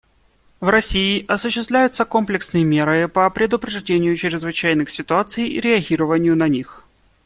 В России осуществляются комплексные меры по предупреждению чрезвычайных ситуаций и реагированию на них.